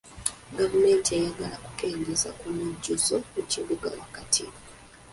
Gavumenti eyagala kukendeeza ku mujjuzo mu kibuga wakati.